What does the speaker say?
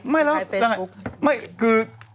ไม่แล้วคือ